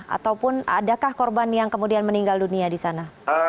ataupun adakah korban yang kemudian meninggal dunia di sana